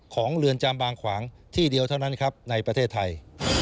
เรือนจำบางขวางที่เดียวเท่านั้นครับในประเทศไทย